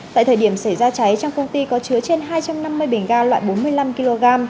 tại thời điểm xảy ra cháy trong công ty có chứa trên hai trăm năm mươi bình ga loại bốn mươi năm kg